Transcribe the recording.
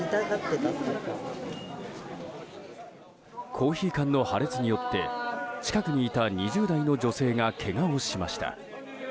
コーヒー缶の破裂によって近くにいた２０代の女性がけがをしました。